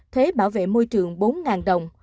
thuế bảo vệ môi trường bốn đồng